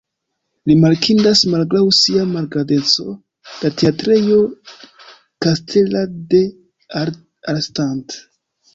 Rimarkindas, malgraŭ sia malgrandeco, la Teatrejo kastela de Arnstadt.